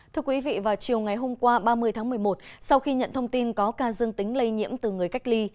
thưa quý vị vào chiều ngày hôm qua ba mươi tháng một mươi một sau khi nhận thông tin có ca dương tính lây nhiễm từ người cách ly